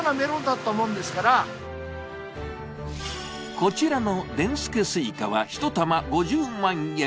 こちらの、でんすけすいかは１玉５０万円。